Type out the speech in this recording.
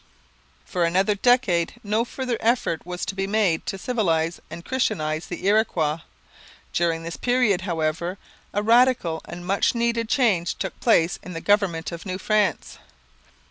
For another decade no further effort was to be made to civilize and christianize the Iroquois. During this period, however, a radical and much needed change took place in the government of New France.